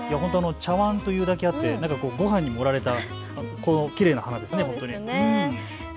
茶わんというだけであってごはんに盛られたきれいな花ですね。